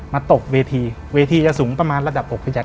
ตกเวทีเวทีจะสูงประมาณระดับ๖พี่แจ๊